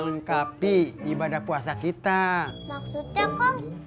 maksudnya kalo kita ngeluarin jakak pitras sebelum sholat id sebelum lebaran